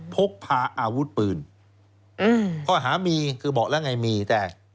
พกพาอาวุธปืนอืมข้อหามีคือบอกแล้วไงมีแต่